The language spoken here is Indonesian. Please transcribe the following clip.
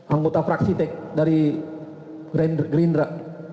anggota fraksi dari gerindra